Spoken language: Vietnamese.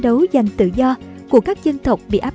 đấu dành tự do của các dân thộc bị áp